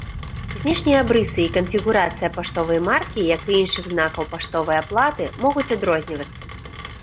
Знешнія абрысы і канфігурацыя паштовай маркі, як і іншых знакаў паштовай аплаты, могуць адрознівацца.